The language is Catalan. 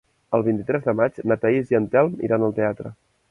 El vint-i-tres de maig na Thaís i en Telm iran al teatre.